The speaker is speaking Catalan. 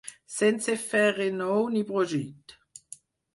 Sense fer renou ni brogit.